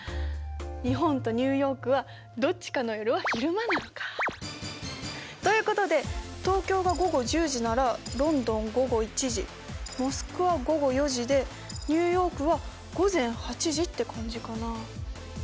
日本とニューヨークはどっちかの夜は昼間なのか。ということで東京が午後１０時ならロンドン午後１時モスクワ午後４時でニューヨークは午前８時って感じかな。